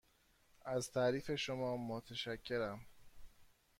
از تعریف شما متشکرم.